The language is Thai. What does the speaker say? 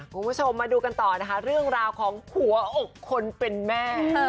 คุณผู้ชมมาดูกันต่อนะคะเรื่องราวของหัวอกคนเป็นแม่